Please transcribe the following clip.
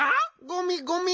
ゴミゴミ。